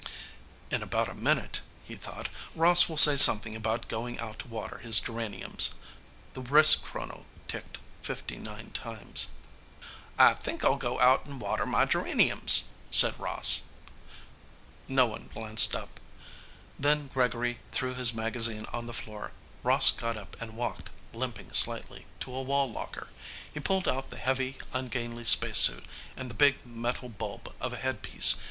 "In about a minute," he thought, "Ross will say something about going out to water his geraniums." The wristchrono ticked fifty nine times. "I think I'll go out and water my geraniums," said Ross. No one glanced up. Then Gregory threw his magazine on the floor. Ross got up and walked, limping slightly, to a wall locker. He pulled out the heavy, ungainly spacesuit and the big metal bulb of a headpiece.